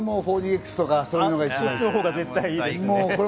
４ＤＸとかそういうのがいいね。